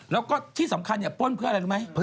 แล้วก็ที่สำคัญป้นเพื่ออะไรรู้ไหม